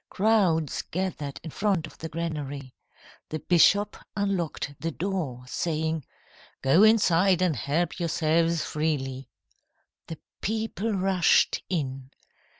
Crowds gathered in front of the granary. The bishop unlocked the door, saying: "'Go inside and help yourselves freely.' "The people rushed in.